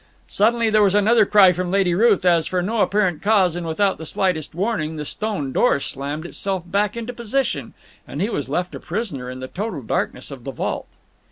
Suddenly there was another cry from Lady Ruth as, for no apparent cause and without the slightest warning, the stone door slammed itself back into position, and he was left a prisoner in the total darkness of the vault.